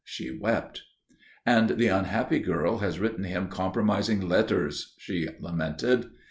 She wept. "And the unhappy girl has written him compromising letters," she lamented.